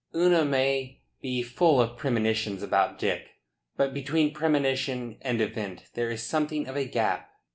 Una may be full of premonitions about Dick. But between premonition and event there is something of a gap."